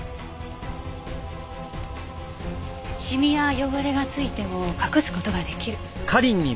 シミや汚れが付いても隠す事が出来る。